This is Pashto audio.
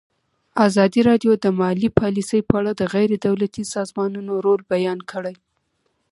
ازادي راډیو د مالي پالیسي په اړه د غیر دولتي سازمانونو رول بیان کړی.